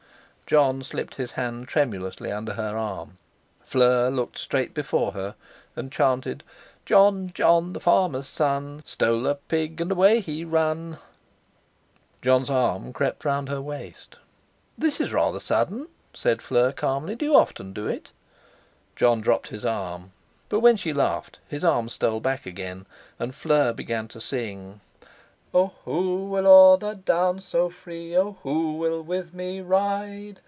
Jon slipped his hand tremulously under her arm. Fleur looked straight before her and chanted: "Jon, Jon, the farmer's son, Stole a pig, and away he run!" Jon's arm crept round her waist. "This is rather sudden," said Fleur calmly; "do you often do it?" Jon dropped his arm. But when she laughed his arm stole back again; and Fleur began to sing: "O who will oer the downs so free, O who will with me ride?